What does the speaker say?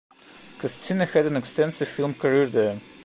Koscina had an extensive film career there.